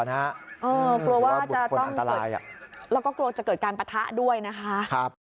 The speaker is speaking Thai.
กลัวว่าจะต้องแล้วก็กลัวจะเกิดการปะทะด้วยนะคะ